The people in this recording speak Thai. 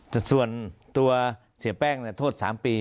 แต่ส่วนเสียแเป้งตัวโทษ๓ปี